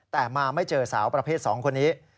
แต่มาไม่เจอสาวประเภท๒คนนี้